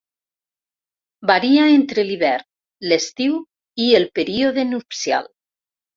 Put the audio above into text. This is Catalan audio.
Varia entre l'hivern, l'estiu i el període nupcial.